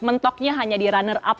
mentoknya hanya di runner up